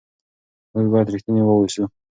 موږ باید رښتیني واوسو.